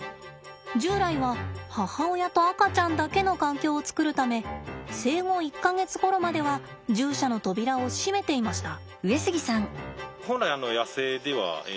従来は母親と赤ちゃんだけの環境を作るため生後１か月ごろまでは獣舎の扉を閉めていました。